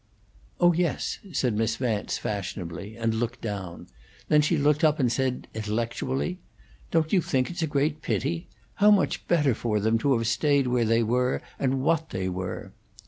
"Oh yes," said Miss Vance, fashionably, and looked down; then she looked up and said, intellectually: "Don't you think it's a great pity? How much better for them to have stayed where they were and what they were!"